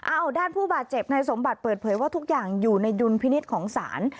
ด้านผู้บาดเจ็บนายสมบัติเปิดเผยว่าทุกอย่างอยู่ในดุลพินิษฐ์ของศาล